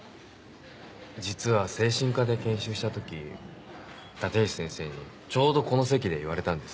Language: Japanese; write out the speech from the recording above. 実は精神科で研修した時立石先生にちょうどこの席で言われたんです。